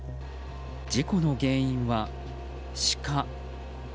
事故の原因はシカ。